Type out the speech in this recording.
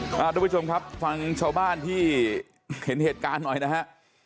คุณผู้ชมครับฟังชาวบ้านที่เห็นเหตุการณ์หน่อยนะฮะ